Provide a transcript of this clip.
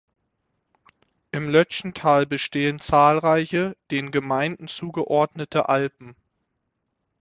Im Lötschental bestehen zahlreiche, den Gemeinden zugeordnete Alpen.